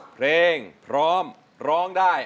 เพลงพร้อมร้องได้